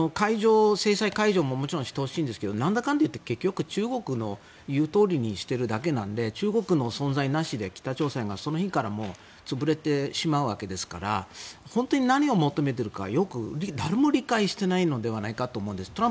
制裁解除ももちろんしてほしいんですがなんだかんだ言って結局、中国の言うとおりにしているだけなので中国の存在なしで北朝鮮がその日から潰れてしまうわけですから本当に何を求めているのかよく誰も理解していないのではないかと思うんです。